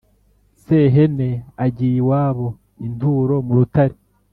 Sehene agiye iwabo- Inturo mu rutare.